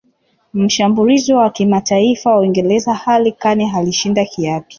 mshambulizi wa kimataifa wa uingereza harry kane alishinda kiatu